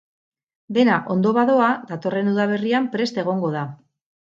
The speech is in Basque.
Dena ondo badoa, datorren udaberrian prest egongo da.